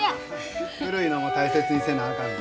古いのも大切にせなあかんぞ。